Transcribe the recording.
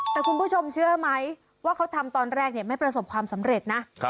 แต่คุณผู้ชมเชื่อไหมว่าเขาทำตอนแรกไม่ประสบความสำเร็จนะ